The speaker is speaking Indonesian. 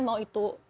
mau itu suaminya